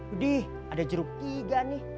udah ada jeruk tiga nih